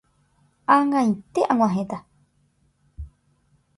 Ag̃aite ag̃uahẽta.